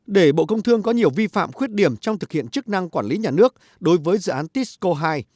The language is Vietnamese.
để bộ công thương có nhiều vi phạm khuyết điểm trong thực hiện chức năng quản lý nhà nước đối với dự án tisco hai